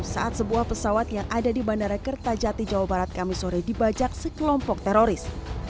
saat sebuah pesawat yang ada di bandara kertajati jawa barat kami sore dibajak sekelompok teroris